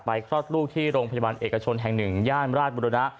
คลอดลูกที่โรงพยาบาลเอกชนแห่ง๑ย่านราชบุรณะ